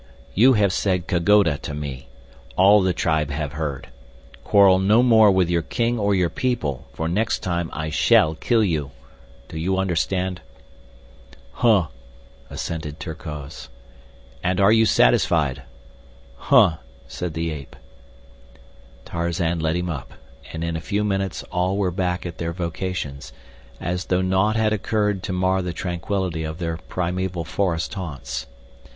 "You have said: 'Ka goda' to me. All the tribe have heard. Quarrel no more with your king or your people, for next time I shall kill you. Do you understand?" "Huh," assented Terkoz. "And you are satisfied?" "Huh," said the ape. Tarzan let him up, and in a few minutes all were back at their vocations, as though naught had occurred to mar the tranquility of their primeval forest haunts.